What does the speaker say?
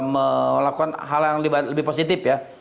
melakukan hal yang lebih positif ya